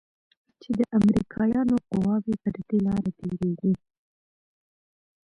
چې د امريکايانو قواوې پر دې لاره تېريږي.